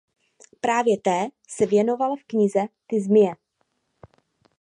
Právě té se věnoval v knize „"Ty zmije"“.